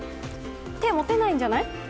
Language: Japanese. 手、持てないんじゃない？